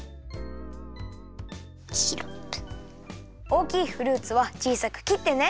おおきいフルーツはちいさくきってね。